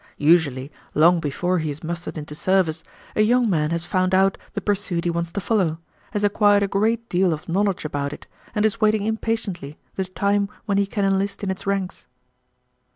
Usually long before he is mustered into service a young man has found out the pursuit he wants to follow, has acquired a great deal of knowledge about it, and is waiting impatiently the time when he can enlist in its ranks."